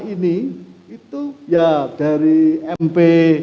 ini itu ya dari mp